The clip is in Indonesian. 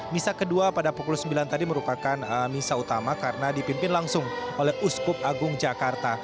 misa kedua pada pukul sembilan tadi merupakan misa utama karena dipimpin langsung oleh uskup agung jakarta